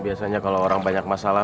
biasanya kalau orang banyak masalah